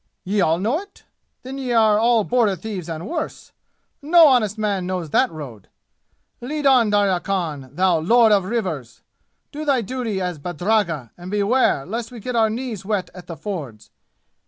"Ye all know it? Then ye all are border thieves and worse! No honest man knows that road! Lead on, Darya Khan, thou Lord of Rivers! Do thy duty as badragga and beware lest we get our knees wet at the fords!